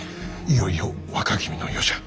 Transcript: いよいよ若君の世じゃ。